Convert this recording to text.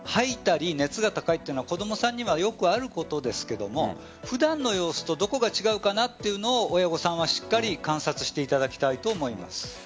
吐いたり熱が高いというのは子供さんにはよくあることですが普段の様子とどこが違うかなというのを親御さんはしっかり観察していただきたいと思います。